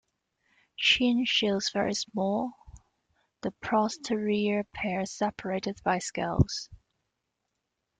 Chin shields very small, the posterior pair separated by scales.